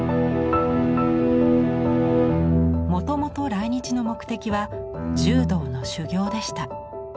もともと来日の目的は柔道の修行でした。